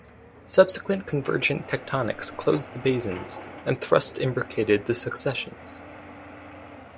Subsequent convergent tectonics closed the basins and thrust imbricated the successions.